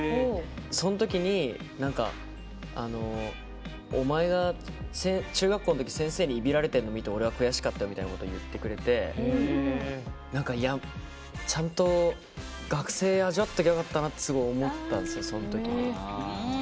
そのときに、なんかお前が中学校の時先生にいびられてるの見て俺は悔しかったみたいなことを言ってくれてちゃんと学生味わっとけばよかったなってすごい思ったんですよ、その時。